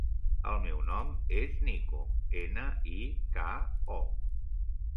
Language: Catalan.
El meu nom és Niko: ena, i, ca, o.